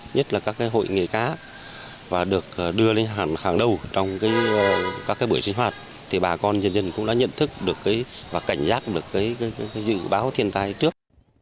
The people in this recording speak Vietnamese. nhất là các hội nghề cá và được đưa lên hàng đầu trong các buổi sinh hoạt thì bà con dân dân cũng đã nhận thức được và cảnh giác được dự báo thiên tai trước